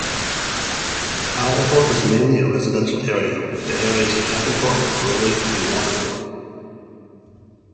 Owlthorpe is a mainly residential area with the areas of Hackenthorpe, Birley and Waterthorpe.